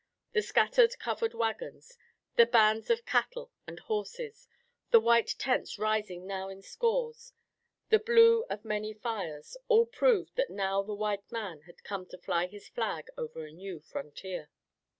The scattered covered wagons, the bands of cattle and horses, the white tents rising now in scores, the blue of many fires, all proved that now the white man had come to fly his flag over a new frontier.